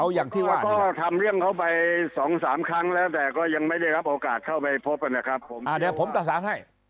เอาอย่างที่ว่าทำเรื่องเขาไป๒๓ครั้งแล้วแต่ก็ยังไม่ได้รับโอกาสเข้าไปพบกันนะครับ